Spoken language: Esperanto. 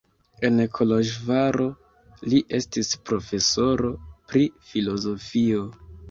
En Koloĵvaro li estis profesoro pri filozofio.